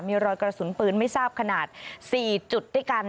มีรอยกระสุนปืนไม่ทราบขนาด๔จุดด้วยกัน